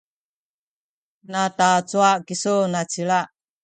natacuwa kisu nacila?